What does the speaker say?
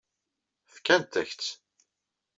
Fkant-ak-tt.